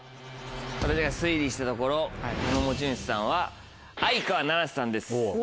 私が推理したところこの持ち主さんは相川七瀬さんです。